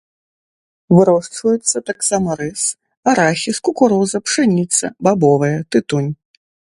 Вырошчваюцца таксама рыс, арахіс, кукуруза, пшаніца, бабовыя, тытунь.